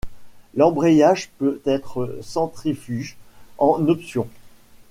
L'embrayage peut être centrifuge en option.